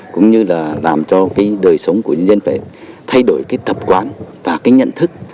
cũng như là làm cho đời sống của dân dân phải thay đổi tập quán và nhận thức